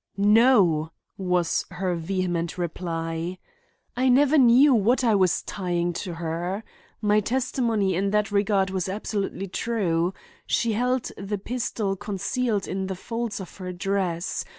"No," was her vehement reply. "I never knew what I was tying to her. My testimony in that regard was absolutely true. She held the pistol concealed in the folds of her dress.